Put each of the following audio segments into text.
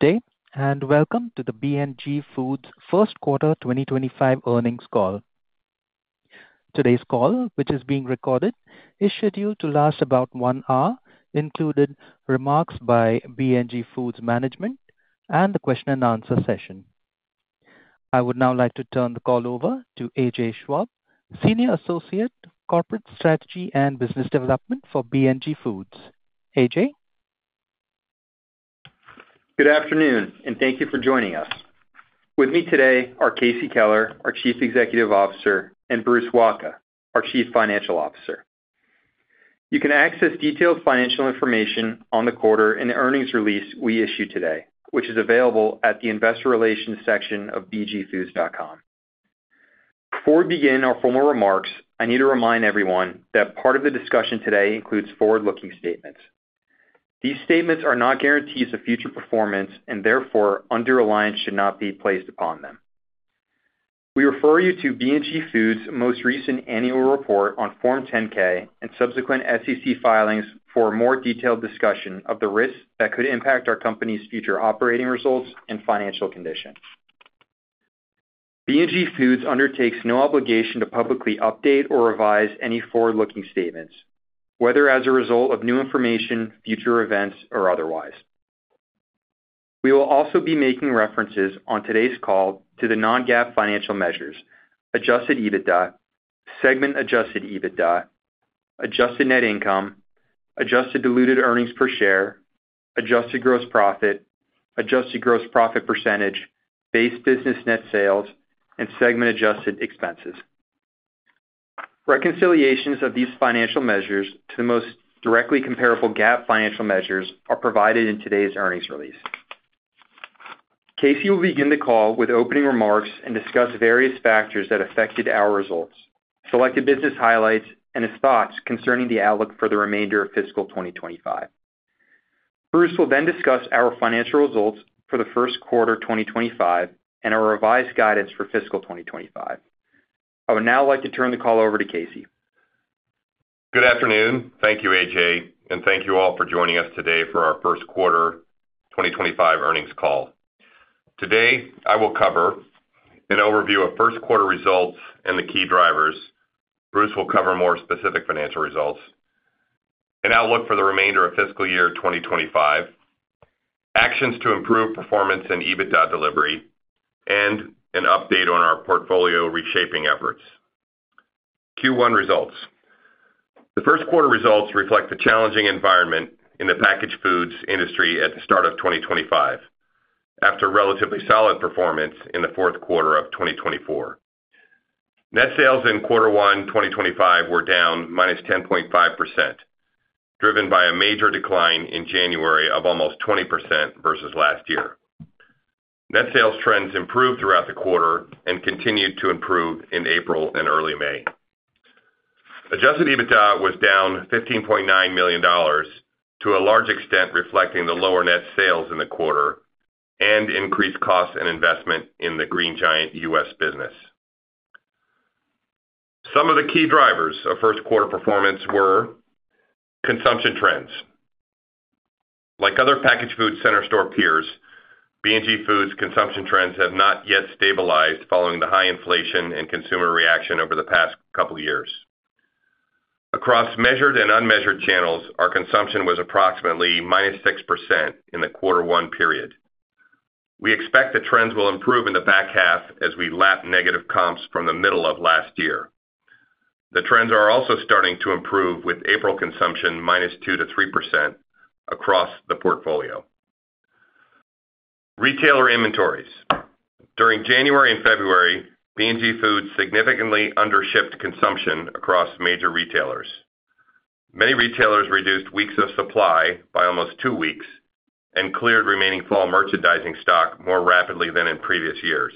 Good day, and welcome to the B&G Foods First Quarter 2025 Earnings Call. Today's call, which is being recorded, is scheduled to last about one hour, including remarks by B&G Foods management and the question-and-answer session. I would now like to turn the call over to AJ Schwab, Senior Associate, Corporate Strategy and Business Development for B&G Foods. AJ? Good afternoon, and thank you for joining us. With me today are Casey Keller, our Chief Executive Officer, and Bruce Wacha, our Chief Financial Officer. You can access detailed financial information on the quarter and earnings release we issue today, which is available at the Investor Relations section of bgfoods.com. Before we begin our formal remarks, I need to remind everyone that part of the discussion today includes forward-looking statements. These statements are not guarantees of future performance, and therefore, underwriting should not be placed upon them. We refer you to B&G Foods' most recent annual report on Form 10-K and subsequent SEC filings for a more detailed discussion of the risks that could impact our company's future operating results and financial condition. B&G Foods undertakes no obligation to publicly update or revise any forward-looking statements, whether as a result of new information, future events, or otherwise. We will also be making references on today's call to the non-GAAP financial measures: adjusted EBITDA, segment-adjusted EBITDA, adjusted net income, adjusted diluted earnings per share, adjusted gross profit, adjusted gross profit %, base business net sales, and segment-adjusted expenses. Reconciliations of these financial measures to the most directly comparable GAAP financial measures are provided in today's earnings release. Casey will begin the call with opening remarks and discuss various factors that affected our results, selected business highlights, and his thoughts concerning the outlook for the remainder of fiscal 2025. Bruce will then discuss our financial results for the first quarter 2025 and our revised guidance for fiscal 2025. I would now like to turn the call over to Casey. Good afternoon. Thank you, AJ, and thank you all for joining us today for our First Quarter 2025 Earnings Call. Today, I will cover an overview of Q1 results and the key drivers. Bruce will cover more Specific Financial Results, an outlook for the remainder of Fiscal year 2025, actions to improve performance and EBITDA delivery, and an update on our portfolio reshaping efforts. Q1 results: the first quarter results reflect the challenging environment in the packaged foods industry at the start of 2025, after relatively solid performance in the 4th quarter of 2024. Net sales in quarter one 2025 were down -10.5%, driven by a major decline in January of almost 20% versus last year. Net sales trends improved throughout the quarter and continued to improve in April and early May. Adjusted EBITDA was down $15.9 million, to a large extent reflecting the lower net sales in the quarter and increased costs and investment in the Green Giant U.S. business. Some of the key drivers of first quarter performance were consumption trends. Like other packaged foods' center store peers, B&G Foods' consumption trends have not yet stabilized following the high inflation and consumer reaction over the past couple of years. Across measured and unmeasured channels, our consumption was approximately -6% in the 1st quarter one period. We expect the trends will improve in the back half as we lap negative comps from the middle of last year. The trends are also starting to improve, with April consumption -2% to -3% across the portfolio. Retailer inventories: during January and February, B&G Foods significantly undershipped consumption across major retailers. Many retailers reduced weeks of supply by almost two weeks and cleared remaining fall merchandising stock more rapidly than in previous years.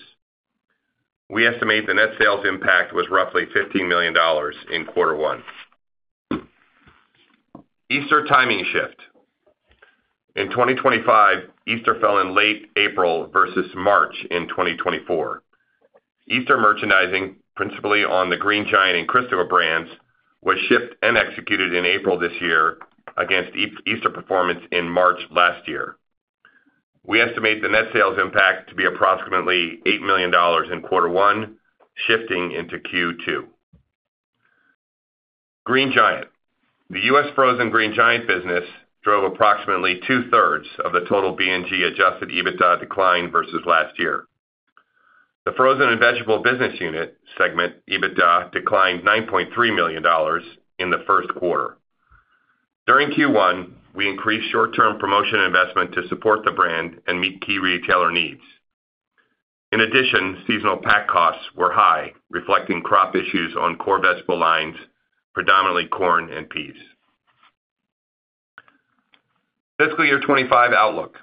We estimate the net sales impact was roughly $15 million in quarter one. Easter timing shift: in 2024, Easter fell in late March versus April in 2023. Easter merchandising, principally on the Green Giant and Crisco brands, was shipped and executed in March this year against Easter performance in April last year. We estimate the net sales impact to be approximately $8 million in quarter one, shifting into Q2. Green Giant: the U.S. frozen Green Giant Business drove approximately two-thirds of the total B&G Foods adjusted EBITDA decline versus last year. The frozen and vegetable business unit segment EBITDA declined $9.3 million in the first quarter. During Q1, we increased Short-term Promotion Investment to support the brand and meet key retailer needs. In addition, seasonal pack costs were high, reflecting crop issues on core vegetable lines, predominantly corn and peas. Fiscal year 2025 outlook: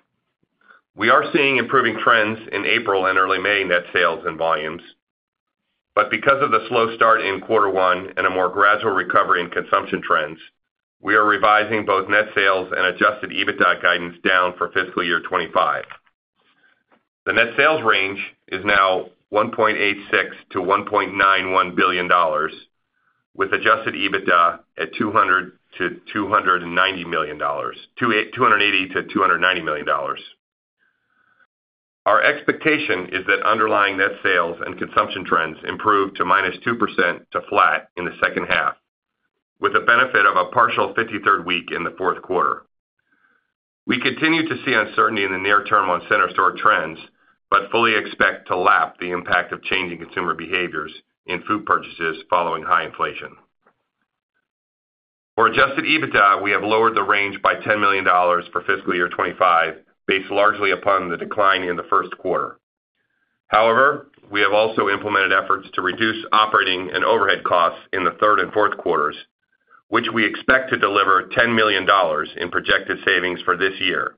we are seeing improving trends in April and early May net sales and volumes, but because of the slow start in quarter one and a more gradual recovery in consumption trends, we are revising both net sales and adjusted EBITDA guidance down for fiscal year 2025. The net sales range is now $1.86 billion-$1.91 billion, with adjusted EBITDA at $200 million-$280 million-$290 million. Our expectation is that underlying net sales and consumption trends improve to -2% to flat in the second half, with the benefit of a partial 53rd week in the fourth quarter. We continue to see uncertainty in the near term on center store trends, but fully expect to lap the impact of changing consumer behaviors in food purchases following high inflation. For adjusted EBITDA, we have lowered the range by $10 million for fiscal year 2025, based largely upon the decline in the first quarter. However, we have also implemented efforts to reduce operating and overhead costs in the third and fourth quarters, which we expect to deliver $10 million in projected savings for this year,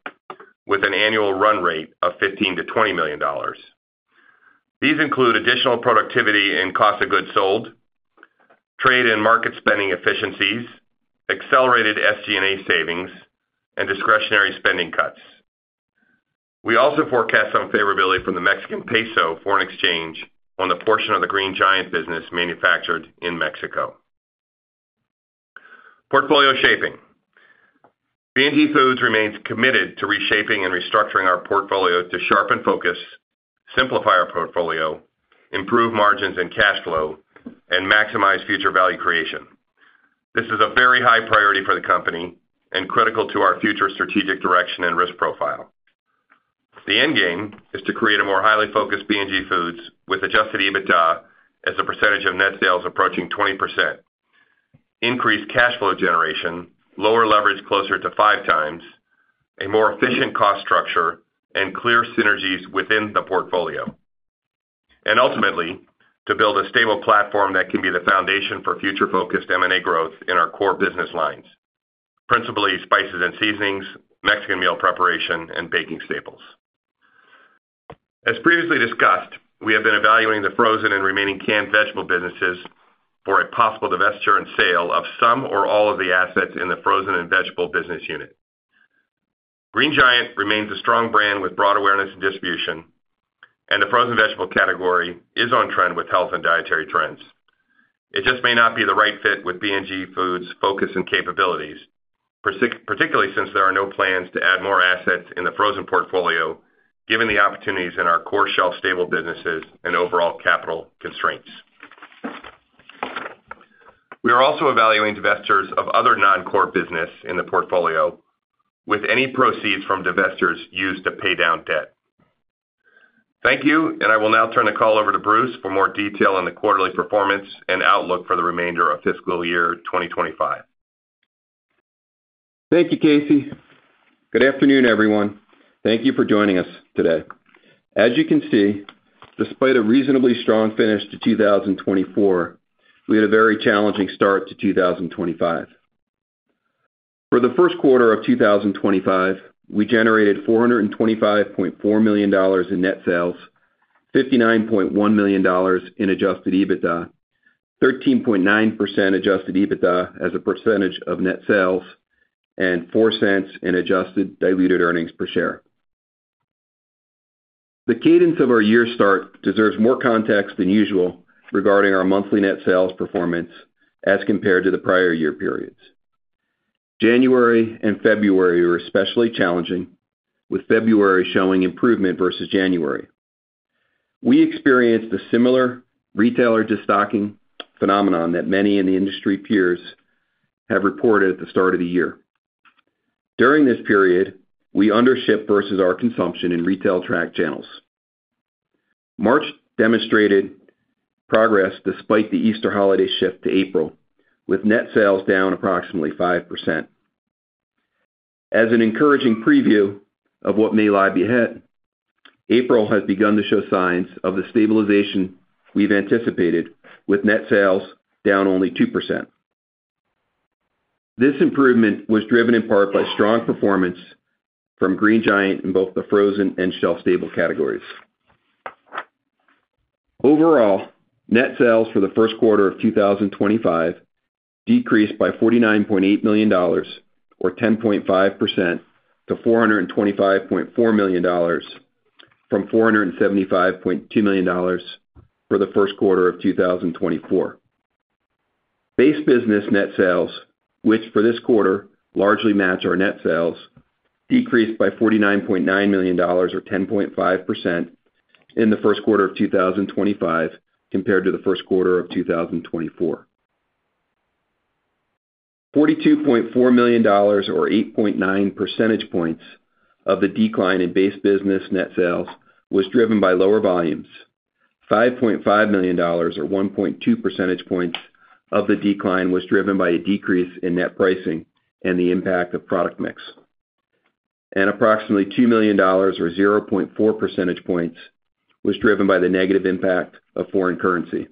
with an annual run rate of $15-$20 million. These include additional productivity in cost of goods sold, trade and market spending efficiencies, accelerated SG&A savings, and discretionary spending cuts. We also forecast some favorability from the Mexican Peso foreign exchange on the portion of the Green Giant business manufactured in Mexico. Portfolio shaping: B&G Foods remains committed to reshaping and restructuring our portfolio to sharpen focus, simplify our portfolio, improve margins and cash flow, and maximize future value creation. This is a very high priority for the company and critical to our future strategic direction and risk profile. The end game is to create a more highly focused B&G Foods with adjusted EBITDA as a percentage of net sales approaching 20%, increased cash flow generation, lower leverage closer to five times, a more efficient cost structure, and clear synergies within the portfolio. Ultimately, to build a stable platform that can be the foundation for future-focused M&A growth in our core business lines, principally spices and seasonings, Mexican meal preparation, and baking staples. As previously discussed, we have been evaluating the frozen and remaining canned vegetable businesses for a possible divestiture and sale of some or all of the assets in the frozen and vegetable business unit. Green Giant remains a strong brand with broad awareness and distribution, and the frozen vegetable category is on trend with health and dietary trends. It just may not be the right fit with B&G Foods' focus and capabilities, particularly since there are no plans to add more assets in the frozen portfolio, given the opportunities in our core shelf stable businesses and overall capital constraints. We are also evaluating divestitures of other non-core business in the portfolio, with any proceeds from divestitures used to pay down debt. Thank you, and I will now turn the call over to Bruce for more detail on the quarterly performance and outlook for the remainder of fiscal year 2025. Thank you, Casey. Good afternoon, everyone. Thank you for joining us today. As you can see, despite a reasonably strong finish to 2024, we had a very challenging start to 2025. For the first quarter of 2025, we generated $425.4 million in net sales, $59.1 million in adjusted EBITDA, 13.9% adjusted EBITDA as a percentage of net sales, and $0.04 in adjusted diluted earnings per share. The cadence of our year start deserves more context than usual regarding our monthly net sales performance as compared to the prior year periods. January and February were especially challenging, with February showing improvement versus January. We experienced a similar retailer-to-stocking phenomenon that many in the industry peers have reported at the start of the year. During this period, we undershipped versus our consumption in retail track channels. March demonstrated progress despite the Easter holiday shift to April, with net sales down approximately 5%. As an encouraging preview of what may lie ahead, April has begun to show signs of the stabilization we've anticipated, with net sales down only 2%. This improvement was driven in part by strong performance from Green Giant in both the frozen and shelf stable categories. Overall, net sales for the first quarter of 2025 decreased by $49.8 million, or 10.5%, to $425.4 million from $475.2 million for the first quarter of 2024. Base business net sales, which for this quarter largely match our net sales, decreased by $49.9 million, or 10.5%, in the first quarter of 2025 compared to the Q1 of 2024. $42.4 million, or 8.9 percentage points of the decline in base business net sales, was driven by lower volumes. $5.5 million, or 1.2 percentage points of the decline, was driven by a decrease in net pricing and the impact of product mix, and approximately $2 million, or 0.4 percentage points, was driven by the negative impact of foreign currency.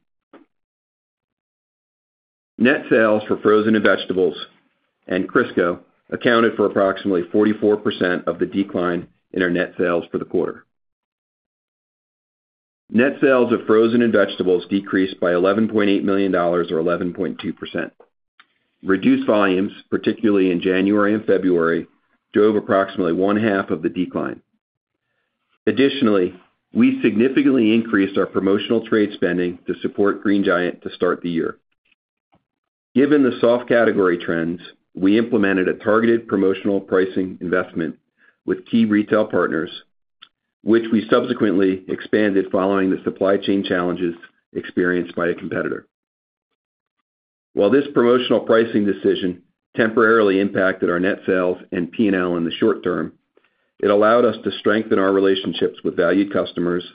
Net sales for frozen and vegetables and Crisco accounted for approximately 44% of the decline in our net sales for the quarter. Net sales of frozen and vegetables decreased by $11.8 million, or 11.2%. Reduced volumes, particularly in January and February, drove approximately one-half of the decline. Additionally, we significantly increased our promotional trade spending to support Green Giant to start the year. Given the soft category trends, we implemented a targeted promotional pricing investment with key retail partners, which we subsequently expanded following the supply chain challenges experienced by a competitor. While this promotional pricing decision temporarily impacted our net sales and P&L in the short term, it allowed us to strengthen our relationships with valued customers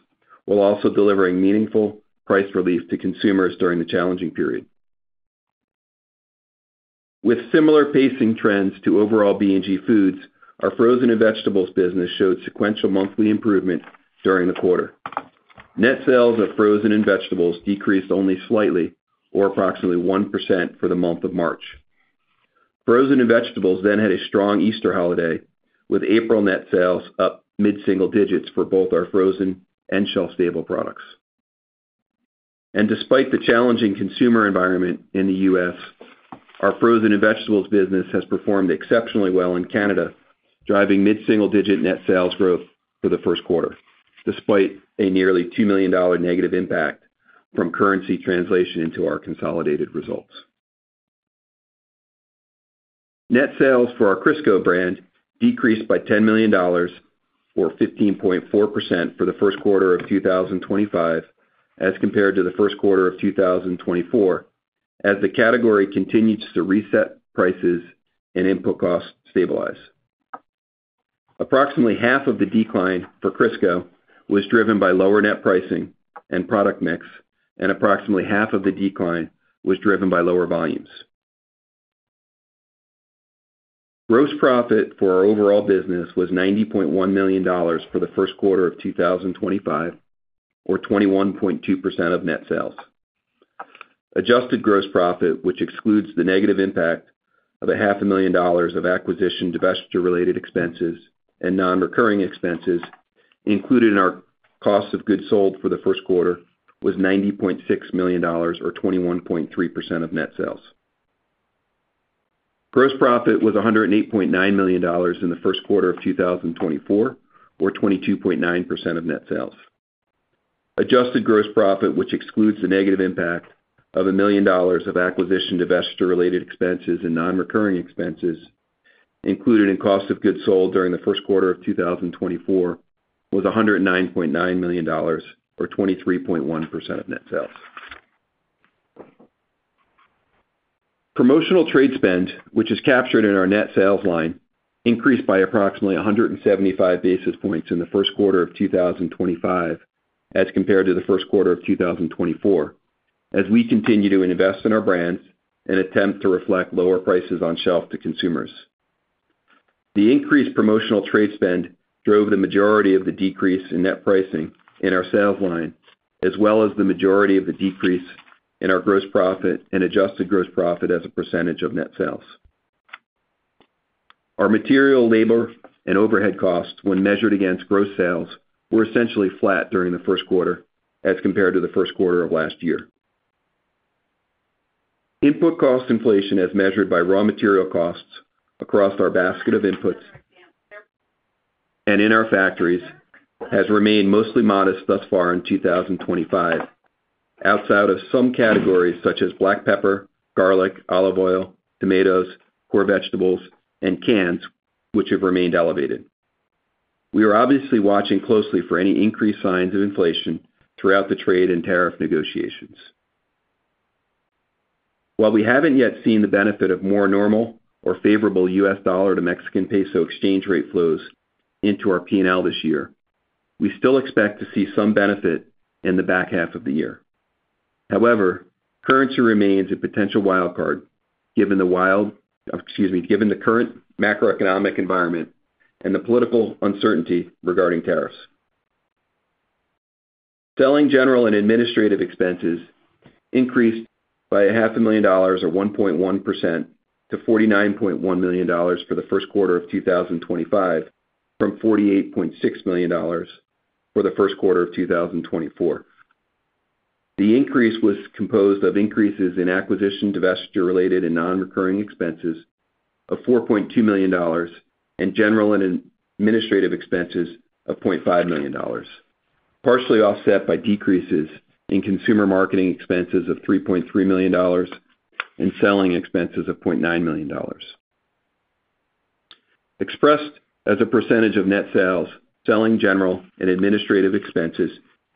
while also delivering meaningful price relief to consumers during the challenging period. With similar pacing trends to overall B&G Foods, our frozen and vegetables business showed sequential monthly improvement during the quarter. Net sales of frozen and vegetables decreased only slightly, or approximately 1%, for the month of March. Frozen and vegetables then had a strong Easter Holiday, with April net sales up mid-single digits for both our frozen and shelf stable products. Despite the challenging consumer environment in the U.S., our frozen and vegetables business has performed exceptionally well in Canada, driving mid-single digit net sales growth for the first quarter, despite a nearly $2 million negative impact from currency translation into our consolidated results. Net sales for our Crisco Brand decreased by $10 million, or 15.4%, for the first quarter of 2025 as compared to the Q1 of 2024, as the category continues to reset prices and input costs stabilize. Approximately half of the decline for Crisco was driven by lower net pricing and product mix, and approximately half of the decline was driven by lower volumes. Gross profit for our overall business was $90.1 million for the Q1 of 2025, or 21.2% of net sales. Adjusted gross profit, which excludes the negative impact of $500,000 of acquisition, divestiture-related expenses, and non-recurring expenses included in our cost of goods sold for the first quarter, was $90.6 million, or 21.3% of net sales. Gross Profit was $108.9 million in the Q1 of 2024, or 22.9% of net sales. Adjusted Gross Profit, which excludes the negative impact of $1 million of acquisition, divestiture-related expenses, and non-recurring expenses included in cost of goods sold during the Q1 of 2024, was $109.9 million, or 23.1% of net sales. Promotional trade spend, which is captured in our net sales line, increased by approximately 175 basis points in the Q1 of 2025 as compared to the first quarter of 2024, as we continue to invest in our brands and attempt to reflect lower prices on shelf to consumers. The increased promotional trade spend drove the majority of the decrease in net pricing in our sales line, as well as the majority of the decrease in our gross profit and adjusted gross profit as a percentage of net sales. Our material, labor, and overhead costs, when measured against gross sales, were essentially flat during the first quarter as compared to the first quarter of last year. Input cost inflation, as measured by raw material costs across our basket of inputs and in our factories, has remained mostly modest thus far in 2025, outside of some categories such as black pepper, garlic, olive oil, tomatoes, core vegetables, and cans, which have remained elevated. We are obviously watching closely for any increased signs of inflation throughout the trade and tariff negotiations. While we haven't yet seen the benefit of more normal or favorable U.S. dollar to Mexican peso exchange rate flows into our P&L this year, we still expect to see some benefit in the back half of the year. However, currency remains a potential wild card given the wild, excuse me, given the current macroeconomic environment and the political uncertainty regarding tariffs. Selling general and administrative expenses increased by $500,000, or 1.1%, to $49.1 million for the first quarter of 2025, from $48.6 million for the first quarter of 2024. The increase was composed of increases in acquisition, divestiture-related, and non-recurring expenses of $4.2 million and general and administrative expenses of $500,000, partially offset by decreases in consumer marketing expenses of $3.3 million and selling expenses of $900,000. Expressed as a percentage of net sales, selling general and administrative expenses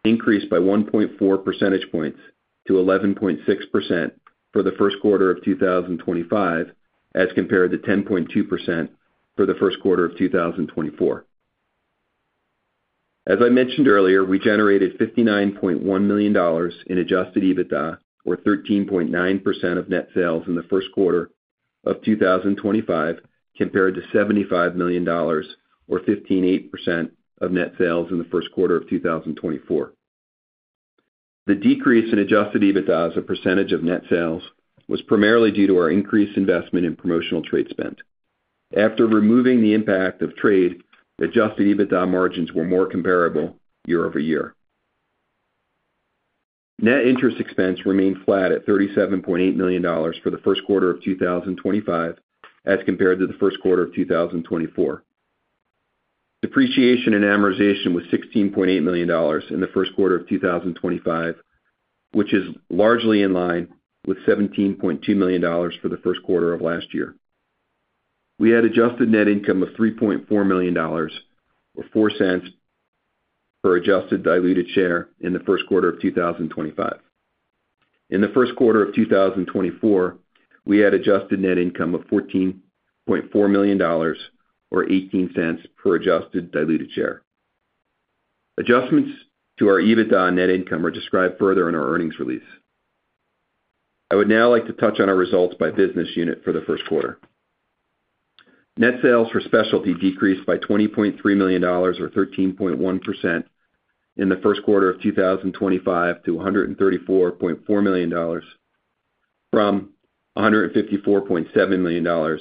increased by 1.4 percentage points to 11.6% for the first quarter of 2025 as compared to 10.2% for the Q1 of 2024. As I mentioned earlier, we generated $59.1 million in adjusted EBITDA, or 13.9% of net sales in the first quarter of 2025, compared to $75 million, or 15.8% of net sales in the Q1 of 2024. The decrease in adjusted EBITDA as a percentage of net sales was primarily due to our increased investment in promotional trade spend. After removing the impact of trade, adjusted EBITDA margins were more comparable year over year. Net interest expense remained flat at $37.8 million for the first quarter of 2025 as compared to the first quarter of 2024. Depreciation and amortization was $16.8 million in the first quarter of 2025, which is largely in line with $17.2 million for the first quarter of last year. We had adjusted net income of $3.4 million, or $0.04, per adjusted diluted share in the first quarter of 2025. In the first quarter of 2024, we had adjusted net income of $14.4 million, or $0.18, per adjusted diluted share. Adjustments to our EBITDA and Net Income are described further in our earnings release. I would now like to touch on our results by business unit for the first quarter. Net sales for specialty decreased by $20.3 million, or 13.1%, in the first quarter of 2025 to $134.4 million, from $154.7 million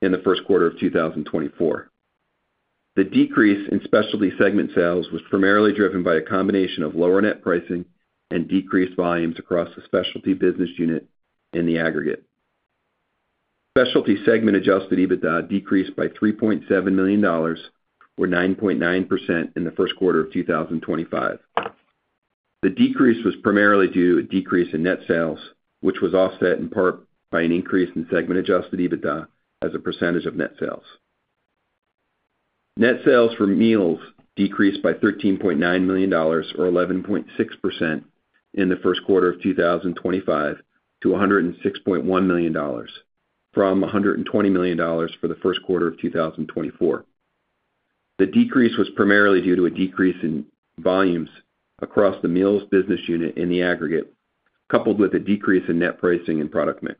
in the first quarter of 2024. The decrease in specialty segment sales was primarily driven by a combination of lower net pricing and decreased volumes across the specialty business unit in the aggregate. Specialty segment adjusted EBITDA decreased by $3.7 million, or 9.9%, in the first quarter of 2025. The decrease was primarily due to a decrease in net sales, which was offset in part by an increase in segment adjusted EBITDA as a percentage of net sales. Net sales for meals decreased by $13.9 million, or 11.6%, in the first quarter of 2025 to $106.1 million, from $120 million for the first quarter of 2024. The decrease was primarily due to a decrease in volumes across the meals business unit in the aggregate, coupled with a decrease in net pricing and product mix.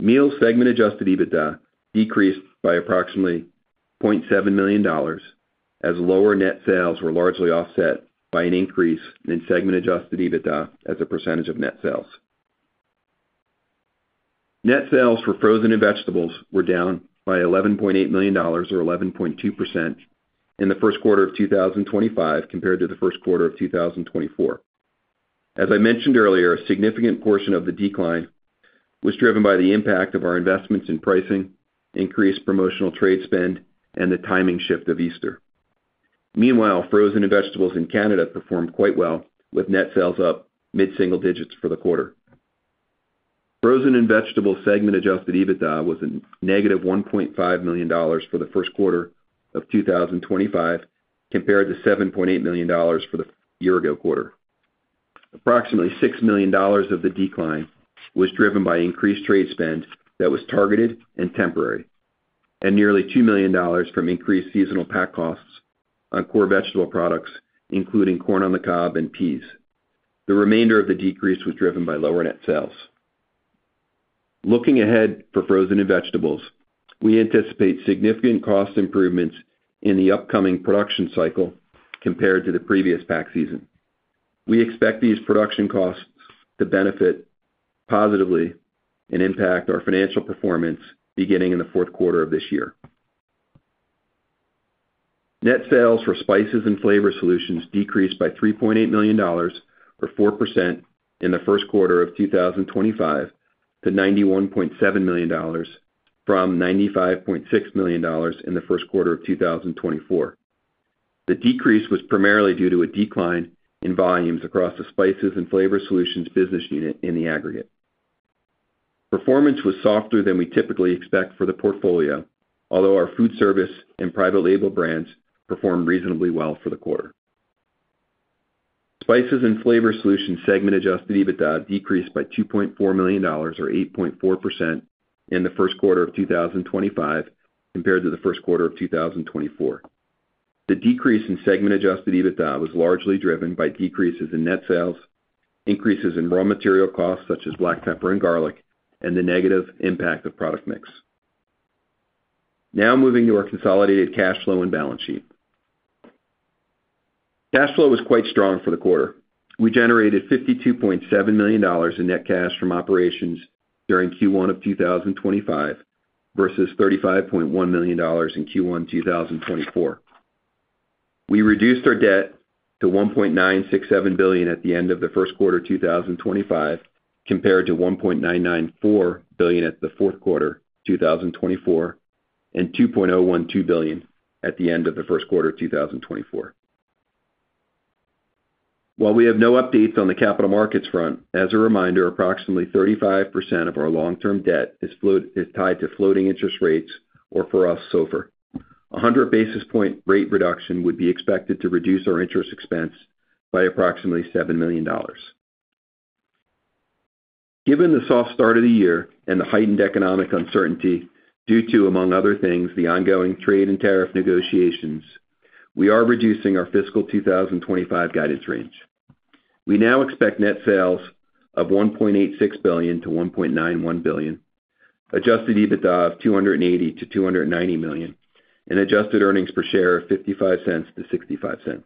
Meals segment adjusted EBITDA decreased by approximately $0.7 million as lower net sales were largely offset by an increase in segment adjusted EBITDA as a percentage of net sales. Net sales for frozen and vegetables were down by $11.8 million, or 11.2%, in the first quarter of 2025 compared to the first quarter of 2024. As I mentioned earlier, a significant portion of the decline was driven by the impact of our investments in pricing, increased promotional trade spend, and the timing shift of Easter. Meanwhile, frozen and vegetables in Canada performed quite well, with net sales up mid-single digits for the quarter. Frozen and vegetable segment adjusted EBITDA was negative $1.5 million for the first quarter of 2025 compared to $7.8 million for the year-ago quarter. Approximately $6 million of the decline was driven by increased trade spend that was targeted and temporary, and nearly $2 million from increased seasonal pack costs on core vegetable products, including corn on the cob and peas. The remainder of the decrease was driven by lower net sales. Looking ahead for frozen and vegetables, we anticipate significant cost improvements in the upcoming production cycle compared to the previous pack season. We expect these production costs to benefit positively and impact our financial performance beginning in the fourth quarter of this year. Net sales for spices and flavor solutions decreased by $3.8 million, or 4%, in the first quarter of 2025 to $91.7 million, from $95.6 million in the first quarter of 2024. The decrease was primarily due to a decline in volumes across the spices and flavor solutions business unit in the aggregate. Performance was softer than we typically expect for the portfolio, although our food service and private label brands performed reasonably well for the quarter. Spices and flavor solutions segment adjusted EBITDA decreased by $2.4 million, or 8.4%, in the first quarter of 2025 compared to the first quarter of 2024. The decrease in segment adjusted EBITDA was largely driven by decreases in net sales, increases in raw material costs such as black pepper and garlic, and the negative impact of product mix. Now moving to our consolidated cash flow and balance sheet. Cash flow was quite strong for the quarter. We generated $52.7 million in net cash from operations during Q1 of 2025 versus $35.1 million in Q1 2024. We reduced our debt to $1.967 billion at the end of the first quarter of 2025 compared to $1.994 billion at the fourth quarter of 2024 and $2.012 billion at the end of the first quarter of 2024. While we have no updates on the capital markets front, as a reminder, approximately 35% of our long-term debt is tied to floating interest rates, or for us, SOFR. A 100 basis point rate reduction would be expected to reduce our interest expense by approximately $7 million. Given the soft start of the year and the heightened economic uncertainty due to, among other things, the ongoing trade and tariff negotiations, we are reducing our fiscal 2025 guidance range. We now expect net sales of $1.86 billion-$1.91 billion, adjusted EBITDA of $280-$290 million, and adjusted earnings per share of $0.55-$0.65.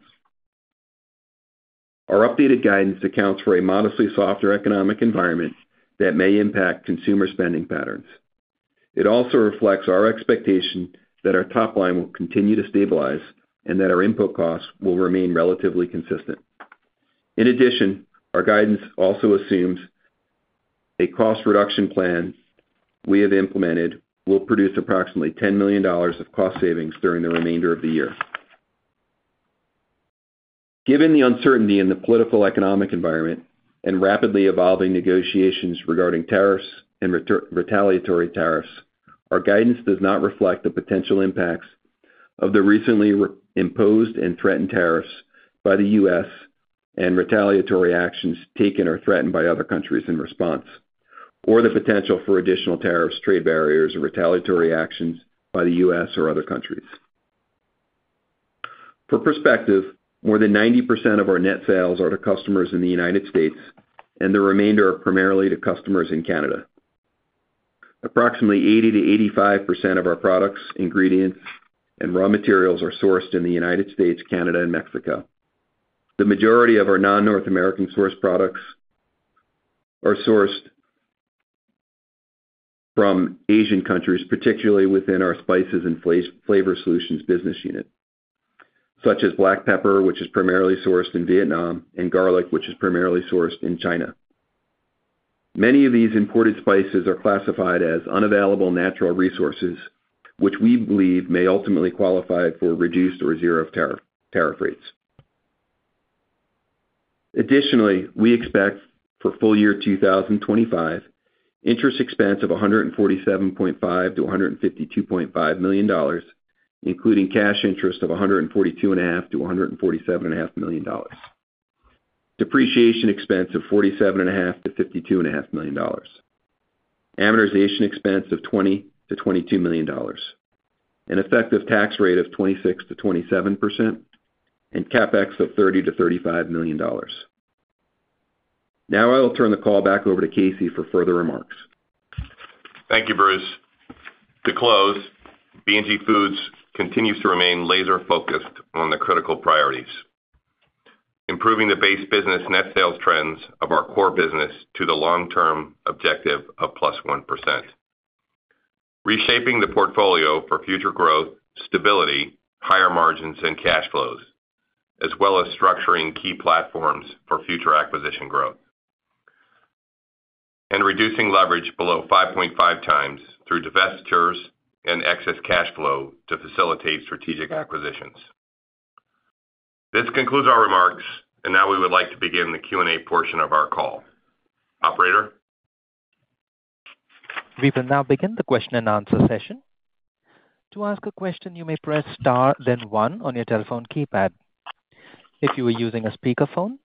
Our updated guidance accounts for a modestly softer Economic Environment that may impact consumer spending patterns. It also reflects our expectation that our top line will continue to stabilize and that our input costs will remain relatively consistent. In addition, our guidance also assumes a cost reduction plan we have implemented will produce approximately $10 million of cost savings during the remainder of the year. Given the uncertainty in the political Economic Environment and rapidly evolving negotiations regarding tariffs and retaliatory tariffs, our guidance does not reflect the potential impacts of the recently imposed and threatened tariffs by the U.S. and retaliatory actions taken or threatened by other countries in response, or the potential for additional tariffs, trade barriers, or retaliatory actions by the U.S. or other countries. For perspective, more than 90% of our net sales are to customers in the U.S., and the remainder are primarily to customers in Canada. Approximately 80-85% of our products, ingredients, and raw materials are sourced in the U.S., Canada, and Mexico. The majority of our non-North American source products are sourced from Asian countries, particularly within our spices and flavor solutions business unit, such as black pepper, which is primarily sourced in Vietnam, and garlic, which is primarily sourced in China. Many of these imported spices are classified as unavailable natural resources, which we believe may ultimately qualify for reduced or zero tariff rates. Additionally, we expect for full year 2025, interest expense of $147.5-$152.5 million, including cash interest of $142.5-$147.5 million, depreciation expense of $47.5-$52.5 million, amortization expense of $20-$22 million, an effective tax rate of 26%-27%, and CapEx of $30-$35 million. Now I will turn the call back over to Casey for further remarks. Thank you, Bruce. To close, B&G Foods continues to remain laser-focused on the critical priorities: improving the base business net sales trends of our core business to the long-term objective of plus 1%, reshaping the portfolio for future growth, stability, higher margins, and cash flows, as well as structuring key platforms for future acquisition growth, and reducing leverage below 5.5 times through divestitures and excess cash flow to facilitate strategic acquisitions. This concludes our remarks, and now we would like to begin the Q&A portion of our call. Operator. We will now begin the question and answer session. To ask a question, you may press Star, then ONE on your telephone keypad. If you are using a speakerphone,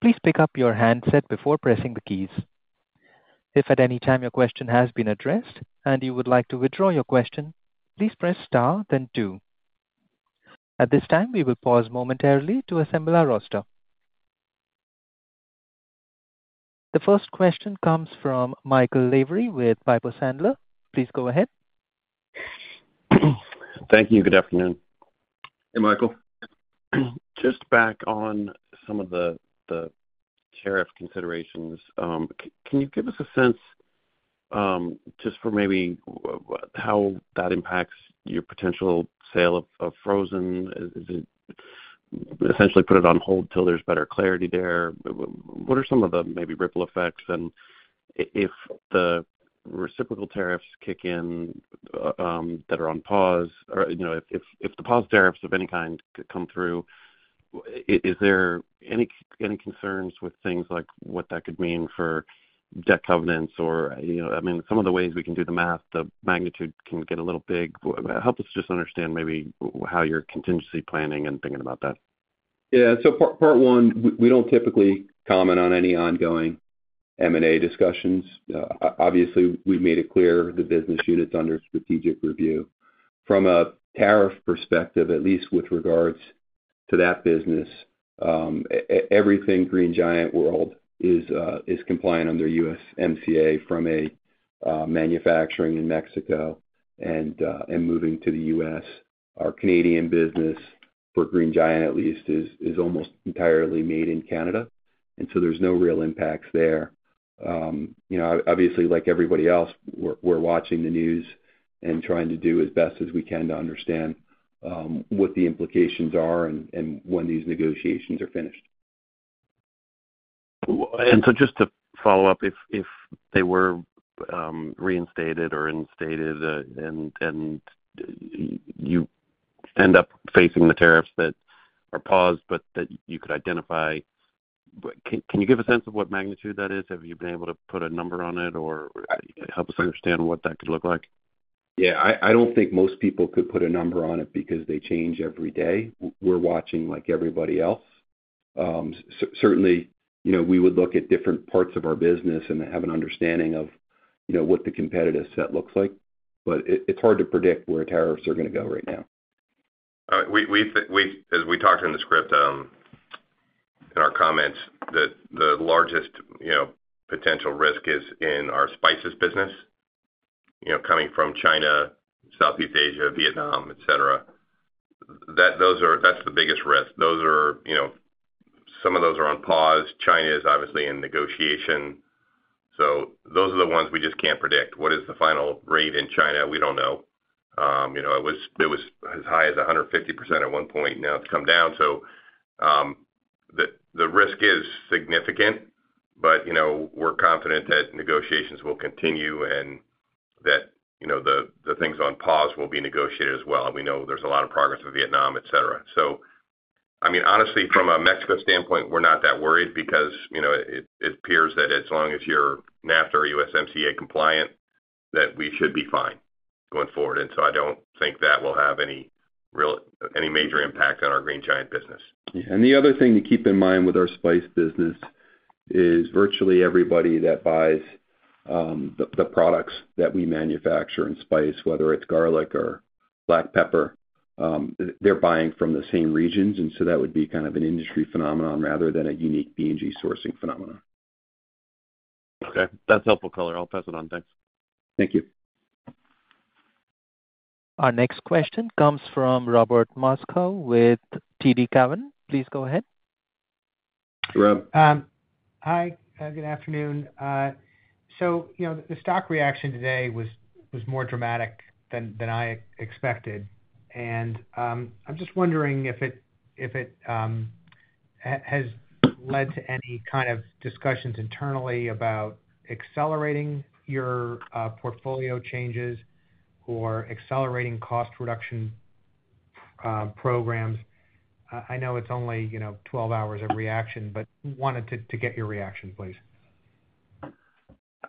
please pick up your handset before pressing the keys. If at any time your question has been addressed and you would like to withdraw your question, please press Star, then two. At this time, we will pause momentarily to assemble our roster. The first question comes from Michael Lavery with Piper Sandler. Please go ahead. Thank you. Good afternoon. Hey, Michael. Just back on some of the tariff considerations, can you give us a sense just for maybe how that impacts your potential sale of frozen? Is it essentially put it on hold till there is better clarity there? What are some of the maybe ripple effects? If the reciprocal tariffs kick in that are on pause, or if the pause tariffs of any kind come through, is there any concerns with things like what that could mean for debt covenants? I mean, some of the ways we can do the math, the magnitude can get a little big. Help us just understand maybe how you're contingency planning and thinking about that. Yeah. Part one, we do not typically comment on any ongoing M&A discussions. Obviously, we've made it clear the business unit is under strategic review. From a tariff perspective, at least with regards to that business, everything Green Giant World is compliant under USMCA from a manufacturing in Mexico and moving to the U.S. Our Canadian business, for Green Giant at least, is almost entirely made in Canada, and there is no real impacts there. Obviously, like everybody else, we're watching the news and trying to do as best as we can to understand what the implications are and when these negotiations are finished. Just to follow up, if they were reinstated or instated and you end up facing the tariffs that are paused but that you could identify, can you give a sense of what magnitude that is? Have you been able to put a number on it or help us understand what that could look like? Yeah. I don't think most people could put a number on it because they change every day. We're watching like everybody else. Certainly, we would look at different parts of our business and have an understanding of what the competitive set looks like, but it's hard to predict where tariffs are going to go right now. As we talked in the script in our comments, the largest potential risk is in our spices business coming from China, Southeast Asia, Vietnam, etc. That's the biggest risk. Some of those are on pause. China is obviously in negotiation. Those are the ones we just can't predict. What is the final rate in China? We don't know. It was as high as 150% at one point, and now it's come down. The risk is significant, but we're confident that negotiations will continue and that the things on pause will be negotiated as well. We know there's a lot of progress with Vietnam, etc. I mean, honestly, from a Mexico standpoint, we're not that worried because it appears that as long as you're NAFTA or U.S. MCA Compliant, we should be fine going forward. I do not think that will have any major impact on our Green Giant business. Yeah. The other thing to keep in mind with our spice business is virtually everybody that buys the products that we manufacture in spice, whether it is garlic or black pepper, they are buying from the same regions, and that would be kind of an industry phenomenon rather than a unique B&G sourcing phenomenon. Okay. That is helpful, Keller. I will pass it on. Thanks. Thank you. Our next question comes from Robert Moskow with TD Cowen. Please go ahead. Hello, Rob. Hi. Good afternoon. The stock reaction today was more dramatic than I expected, and I am just wondering if it has led to any kind of discussions internally about accelerating your portfolio changes or accelerating cost reduction programs. I know it is only 12 hours of reaction, but wanted to get your reaction, please.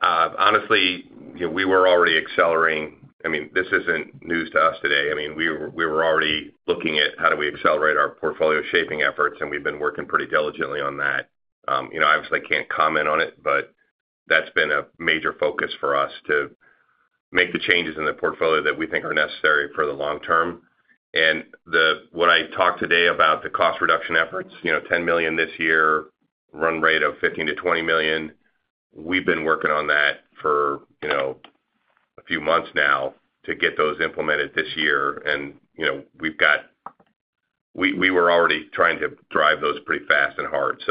Honestly, we were already accelerating. I mean, this isn't news to us today. I mean, we were already looking at how do we accelerate our portfolio shaping efforts, and we've been working pretty diligently on that. Obviously, I can't comment on it, but that's been a major focus for us to make the changes in the portfolio that we think are necessary for the long term. What I talked today about the cost reduction efforts, $10 million this year, run rate of $15 million-$20 million. We've been working on that for a few months now to get those implemented this year, and we were already trying to drive those pretty fast and hard.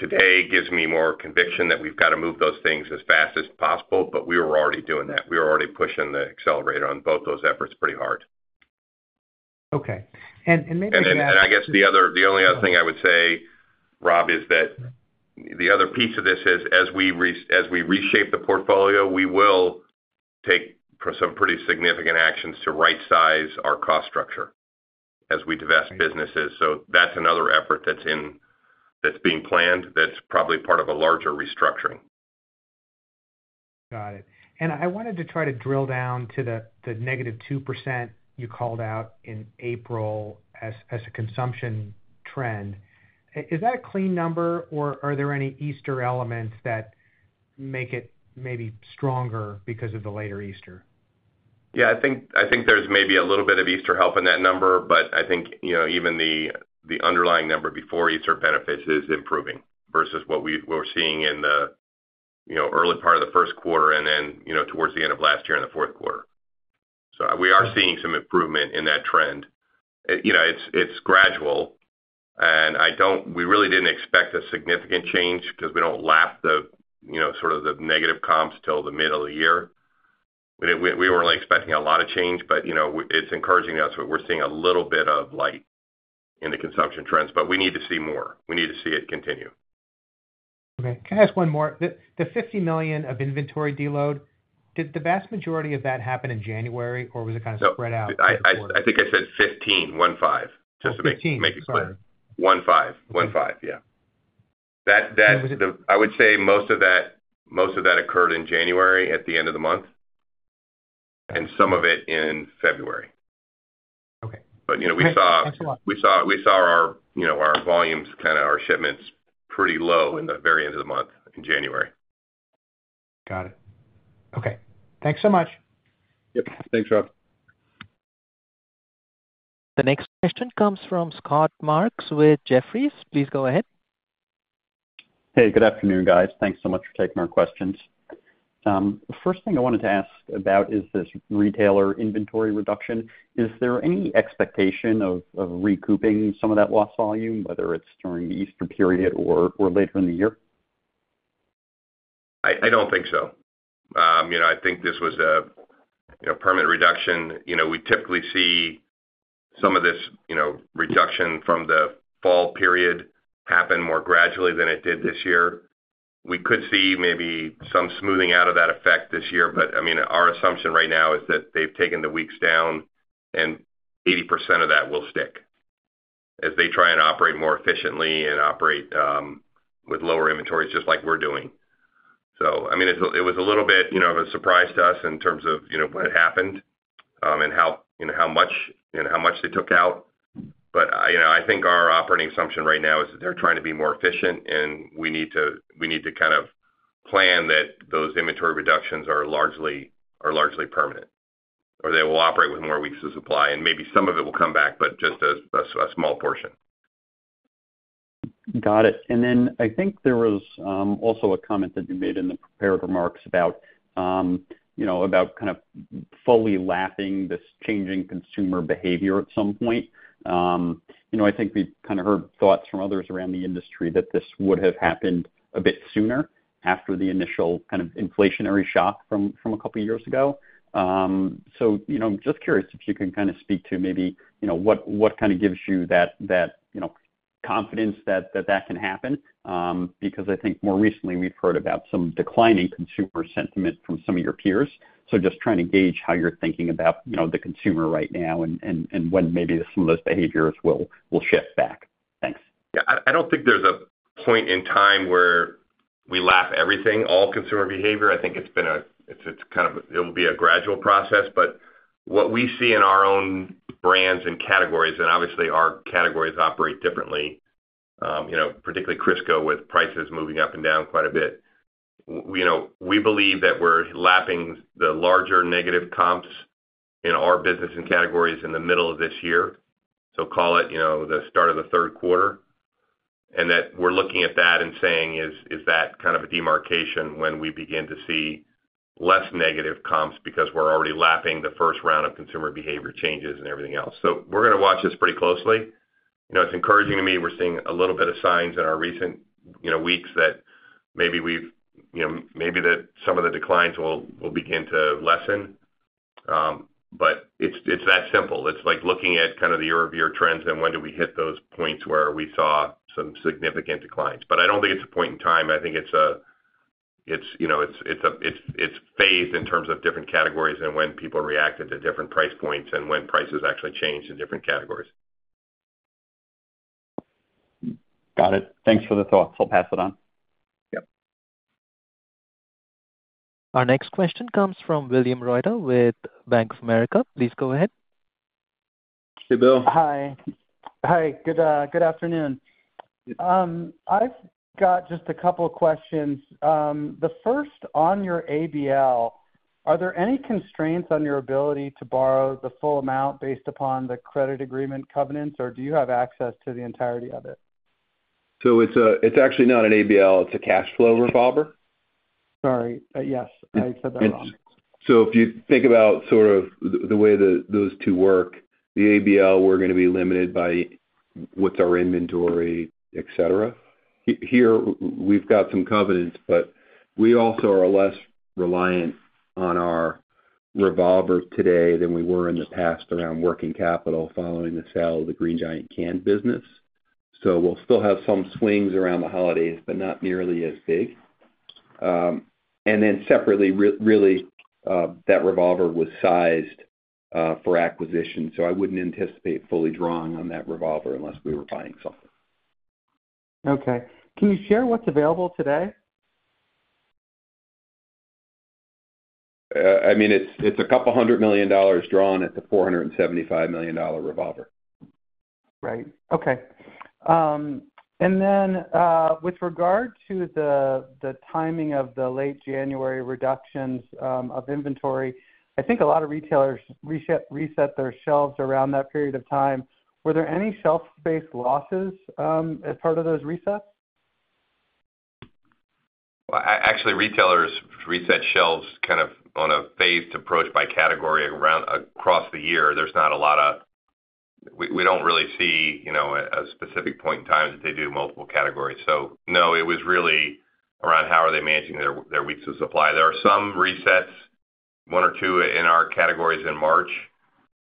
Today gives me more conviction that we've got to move those things as fast as possible, but we were already doing that. We were already pushing the accelerator on both those efforts pretty hard. Okay. Maybe that. I guess the only other thing I would say, Rob, is that the other piece of this is as we reshape the portfolio, we will take some pretty significant actions to right-size our cost structure as we divest businesses. That is another effort that is being planned that is probably part of a larger restructuring. Got it. I wanted to try to drill down to the negative 2% you called out in April as a consumption trend. Is that a clean number, or are there any Easter elements that make it maybe stronger because of the later Easter? Yeah. I think there's maybe a little bit of Easter help in that number, but I think even the underlying number before Easter benefits is improving versus what we were seeing in the early part of the first quarter and then towards the end of last year in the fourth quarter. We are seeing some improvement in that trend. It's gradual, and we really didn't expect a significant change because we don't lap sort of the negative comps till the middle of the year. We weren't expecting a lot of change, but it's encouraging us. We're seeing a little bit of light in the consumption trends, but we need to see more. We need to see it continue. Okay. Can I ask one more? The $50 million of inventory deload, did the vast majority of that happen in January, or was it kind of spread out? I think I said 15, 15. Just to make it clear. 15. 15. Yeah. I would say most of that occurred in January at the end of the month and some of it in February. We saw our volumes, kind of our shipments, pretty low in the very end of the month in January. Got it. Okay. Thanks so much. Yep. Thanks, Rob. The next question comes from Scott Marks with Jefferies. Please go ahead. Hey, good afternoon, guys. Thanks so much for taking our questions. The first thing I wanted to ask about is this retailer inventory reduction. Is there any expectation of recouping some of that loss volume, whether it is during the Easter period or later in the year? I do not think so. I think this was a permanent reduction. We typically see some of this reduction from the fall period happen more gradually than it did this year. We could see maybe some smoothing out of that effect this year, but I mean, our assumption right now is that they've taken the weeks down, and 80% of that will stick as they try and operate more efficiently and operate with lower inventories just like we're doing. I mean, it was a little bit of a surprise to us in terms of what happened and how much they took out. I think our operating assumption right now is that they're trying to be more efficient, and we need to kind of plan that those inventory reductions are largely permanent, or they will operate with more weeks of supply, and maybe some of it will come back, but just a small portion. Got it. I think there was also a comment that you made in the prepared remarks about kind of fully lapping this changing consumer behavior at some point. I think we've kind of heard thoughts from others around the industry that this would have happened a bit sooner after the initial kind of inflationary shock from a couple of years ago. I'm just curious if you can kind of speak to maybe what kind of gives you that confidence that that can happen because I think more recently we've heard about some declining consumer sentiment from some of your peers. Just trying to gauge how you're thinking about the consumer right now and when maybe some of those behaviors will shift back. Thanks. Yeah. I don't think there's a point in time where we lap everything, all consumer behavior. I think it's been a, it'll be a gradual process, but what we see in our own brands and categories, and obviously our categories operate differently, particularly Crisco with prices moving up and down quite a bit, we believe that we're lapping the larger negative comps in our business and categories in the middle of this year, so call it the start of the third quarter, and that we're looking at that and saying, "Is that kind of a demarcation when we begin to see less negative comps because we're already lapping the first round of consumer behavior changes and everything else?" We're going to watch this pretty closely. It's encouraging to me. We're seeing a little bit of signs in our recent weeks that maybe we've, maybe that some of the declines will begin to lessen, but it's that simple. It's like looking at kind of the year-over-year trends and when do we hit those points where we saw some significant declines. I don't think it's a point in time. I think it's phased in terms of different categories and when people reacted to different price points and when prices actually changed in different categories. Got it. Thanks for the thoughts. I'll pass it on. Yep. Our next question comes from William Reuter with Bank of America. Please go ahead. Hey, Bill. Hi. Hi. Good afternoon. I've got just a couple of questions. The first, on your ABL, are there any constraints on your ability to borrow the full amount based upon the credit agreement covenants, or do you have access to the entirety of it? It's actually not an ABL. It's a cash flow revolver. Sorry. Yes. I said that last. If you think about sort of the way that those two work, the ABL, we're going to be limited by what's our inventory, etc. Here, we've got some covenants, but we also are less reliant on our revolvers today than we were in the past around working capital following the sale of the Green Giant canned business. We'll still have some swings around the holidays, but not nearly as big. Separately, really, that revolver was sized for acquisition, so I wouldn't anticipate fully drawing on that revolver unless we were buying something. Okay. Can you share what's available today? I mean, it's a couple hundred million dollars drawn at the $475 million revolver. Right. Okay. With regard to the timing of the late January reductions of inventory, I think a lot of retailers reset their shelves around that period of time. Were there any shelf-based losses as part of those resets? Actually, retailers reset shelves kind of on a phased approach by category across the year. There is not a lot of, we do not really see a specific point in time that they do multiple categories. No, it was really around how are they managing their weeks of supply. There are some resets, one or two in our categories in March,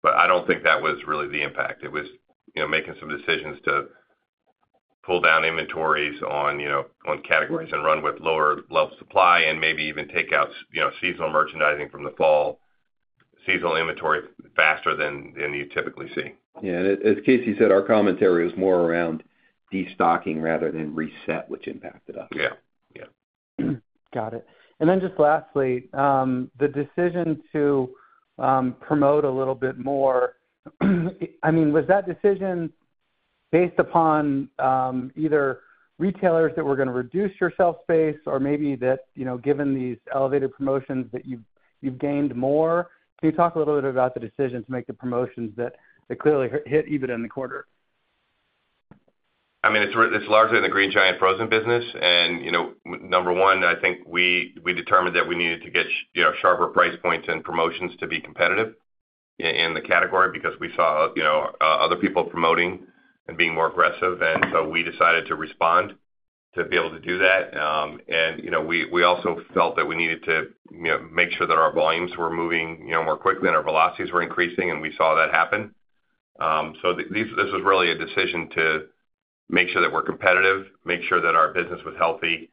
but I do not think that was really the impact. It was making some decisions to pull down inventories on categories and run with lower-level supply and maybe even take out seasonal merchandising from the fall, seasonal inventory faster than you typically see. Yeah. As Casey said, our commentary was more around destocking rather than reset, which impacted us. Yeah. Got it. Lastly, the decision to promote a little bit more, I mean, was that decision based upon either retailers that were going to reduce your shelf space or maybe that given these elevated promotions that you've gained more? Can you talk a little bit about the decision to make the promotions that clearly hit even in the quarter? I mean, it's largely in the Green Giant frozen business. Number one, I think we determined that we needed to get sharper price points and promotions to be competitive in the category because we saw other people promoting and being more aggressive. We decided to respond to be able to do that. We also felt that we needed to make sure that our volumes were moving more quickly and our velocities were increasing, and we saw that happen. This was really a decision to make sure that we're competitive, make sure that our business was healthy.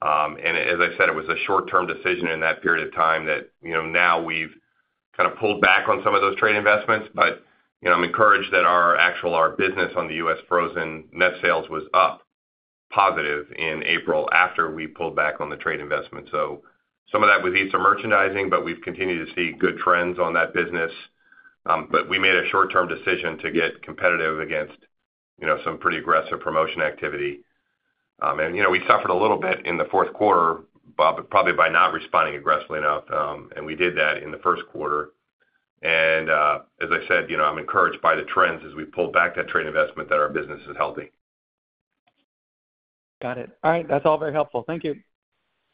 As I said, it was a short-term decision in that period of time that now we've kind of pulled back on some of those trade investments, but I'm encouraged that our actual business on the U.S. frozen net sales was up positive in April after we pulled back on the trade investment. Some of that was Easter merchandising, but we've continued to see good trends on that business. We made a short-term decision to get competitive against some pretty aggressive promotion activity. We suffered a little bit in the fourth quarter, probably by not responding aggressively enough, and we did that in the first quarter. As I said, I'm encouraged by the trends as we pulled back that trade investment that our business is healthy. Got it. All right. That's all very helpful. Thank you.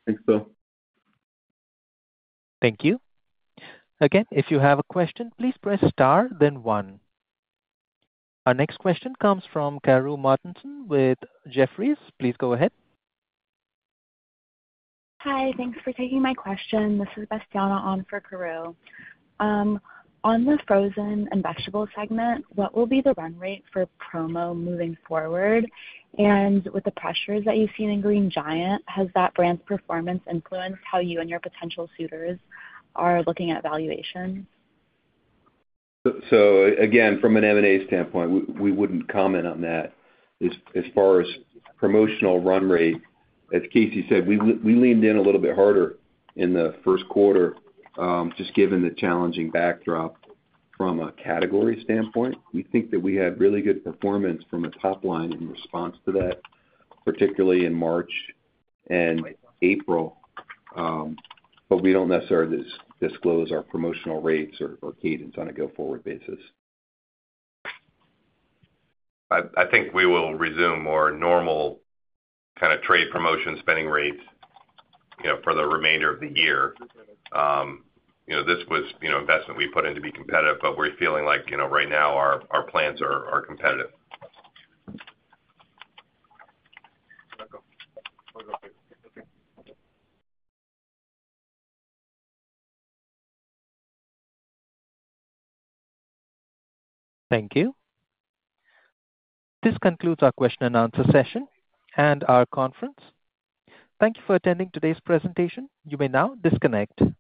Thanks, Bill. Thank you. Again, if you have a question, please press star, then one. Our next question comes from Karru Martinsonwith Jefferies. Please go ahead. Hi. Thanks for taking my question. This is Bastiana on for Karri. On the frozen and vegetable segment, what will be the run rate for promo moving forward? And with the pressures that you've seen in Green Giant, has that brand's performance influenced how you and your potential suitors are looking at valuation? So again, from an M&A standpoint, we wouldn't comment on that. As far as promotional run rate, as Casey said, we leaned in a little bit harder in the first quarter just given the challenging backdrop from a category standpoint. We think that we had really good performance from a top line in response to that, particularly in March and April, but we do not necessarily disclose our promotional rates or cadence on a go-forward basis. I think we will resume more normal kind of trade promotion spending rates for the remainder of the year. This was investment we put in to be competitive, but we are feeling like right now our plans are competitive. Thank you. This concludes our question and answer session and our conference. Thank you for attending today's presentation. You may now disconnect. Great.